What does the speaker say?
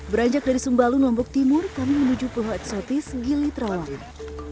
beranjak dari sembalun lombok timur kami menuju pulau eksotis gili trawangan